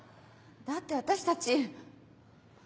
だって私たち。